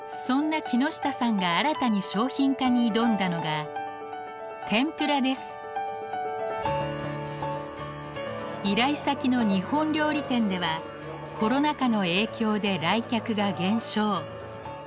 そんな木下さんが新たに商品化に挑んだのが依頼先の日本料理店ではコロナ禍の影響で来客が減少。